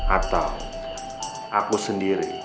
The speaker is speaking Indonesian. atau aku sendiri